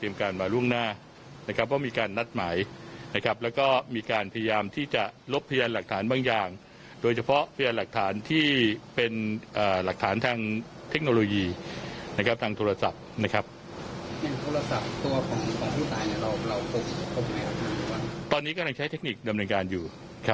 ไม่ใช่เทคนิครำนาจการอยู่